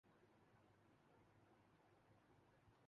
مسلم لیگ کے نام پر وجود میں آ چکی